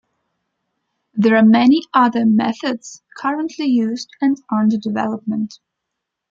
There are many other methods currently used and under development.